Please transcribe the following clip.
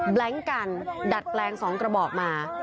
แบล็งก์กันดัดแปลงสองกระบอบมา